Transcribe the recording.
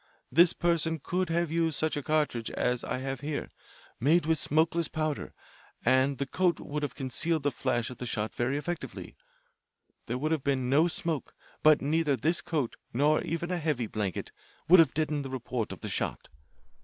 This person could have used such a cartridge as I have here, made with smokeless powder, and the coat would have concealed the flash of the shot very effectively. There would have been no smoke. But neither this coat nor even a heavy blanket would have deadened the report of the shot.